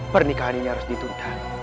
pernikahan ini harus ditunda